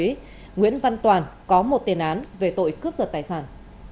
đối tượng nguyễn văn toàn có một tiền án về tội cướp giật tài sản